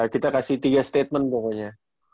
kita kasih tiga statement pokoknya